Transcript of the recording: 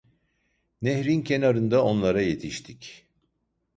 Nehrin kenarında onlara yetiştik…